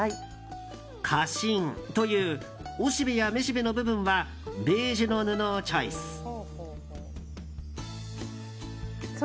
花芯という雄しべや雌しべの部分はベージュの布をチョイス。